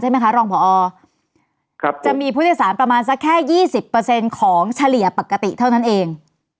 ใช่ไหมคะรองผอครับจะมีผู้โดยสารประมาณสักแค่ยี่สิบเปอร์เซ็นต์ของเฉลี่ยปกติเท่านั้นเอง